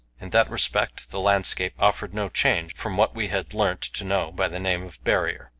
In that respect the landscape offered no change from what we had learnt to know by the name of "Barrier."